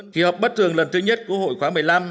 khi họp bắt thường lần thứ nhất của hội khoáng một mươi năm